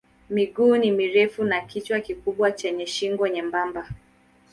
Miguu ni mirefu na kichwa kikubwa chenye shingo nyembamba.